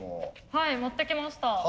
はい持ってきました。